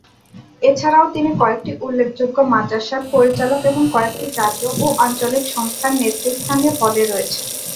এছাড়াও তিনি কয়েকটি উল্লেখযোগ্য মাদ্রাসার পরিচালক এবং কয়েকটি জাতীয় ও আঞ্চলিক সংস্থার নেতৃস্থানীয় পদে রয়েছেন।